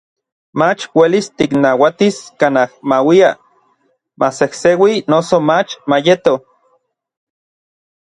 mach uelis tiknauatis kanaj mauia, masejseui noso mach mayeto.